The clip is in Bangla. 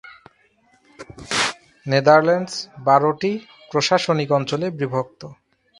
নেদারল্যান্ডস বারটি প্রশাসনিক অঞ্চলে বিভক্ত।